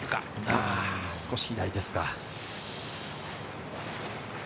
あ、少し左ですか。